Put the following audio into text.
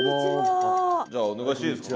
じゃあお願いしていいですか。